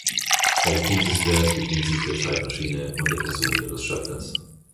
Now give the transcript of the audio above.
Auch dieses Werk bedient sich der Zeitmaschine und der Person ihres Schöpfers.